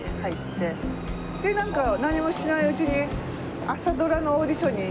でなんか何もしないうちに。